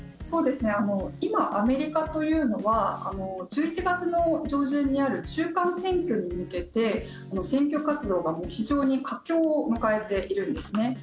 今、アメリカというのは１１月の上旬にある中間選挙に向けて選挙活動が非常に佳境を迎えているんです。